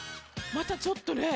またちょっとね。